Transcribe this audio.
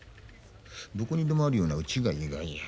どこにでもあるようなうちがいいがや。